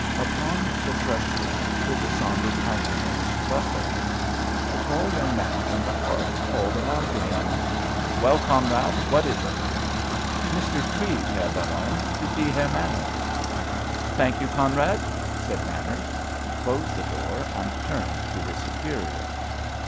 Upon the threshold stood the sombre countenanced butler. The tall young man from the hearth called aloud to him: "Well, Conrad, what is it?" "Mr. Treves, Herr Baron, to see Herr Manners." "Thank you, Conrad," said Manners. He closed the door and turned to his superior.